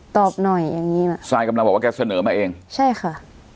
ตอบหน่อยอย่างงี้ไหมซายกำลังบอกว่าแกเสนอมาเองใช่ค่ะ